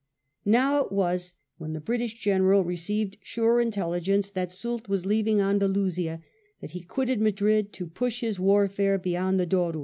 Now it was when the British General received sure intelligence that Soult was leaving Andalusia, that he quitted Madrid to push his warfare beyond the Douro.